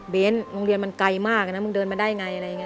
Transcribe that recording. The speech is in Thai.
โรงเรียนมันไกลมากนะมึงเดินมาได้ไงอะไรอย่างนี้